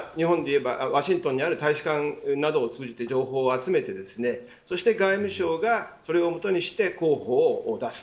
日本で言わはワシントンにある大使館などを通じて情報を集めてそして外務省がそれをもとにして候補を出す。